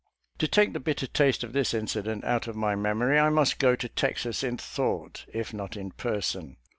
To take the bitter taste of this incident out of my memory, I must go to Texas in thought, if not in person.